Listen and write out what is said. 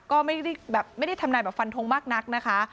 ก็ไม่ได้ทำหน่ายแบบฟันทงมากนักนะคะ